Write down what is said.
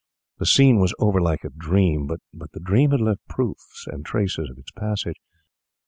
The scene was over like a dream, but the dream had left proofs and traces of its passage.